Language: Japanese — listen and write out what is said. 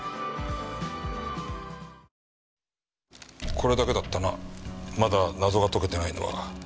これだけだったなまだ謎が解けてないのは。